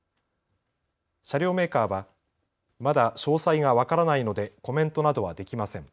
車両メーカーはまだ詳細が分からないのでコメントなどはできません。